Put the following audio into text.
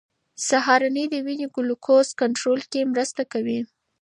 سهارنۍ د وینې ګلوکوز کنټرول کې مرسته کوي.